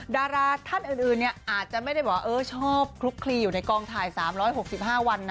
ดาราท่านอื่นอาจจะไม่ได้บอกว่าชอบคลุกคลีอยู่ในกองถ่าย๓๖๕วันนะ